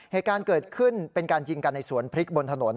เหตุการณ์เกิดขึ้นเป็นการยิงกันในสวนพริกบนถนน